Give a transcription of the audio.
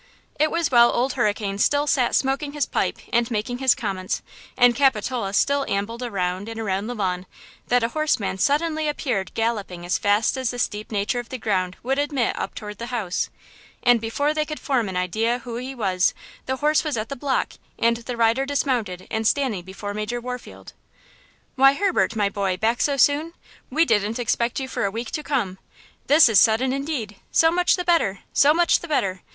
It was while Old Hurricane still sat smoking his pipe and making his comments and Capitola still ambled around and around the lawn that a horseman suddenly appeared galloping as fast as the steep nature of the ground would admit up toward the house, and before they could form an idea who he was the horse was at the block, and the rider dismounted and standing before Major Warfield. "Why, Herbert, my boy, back so soon? We didn't expect you for a week to come. This is sudden, indeed! So much the better! so much the better!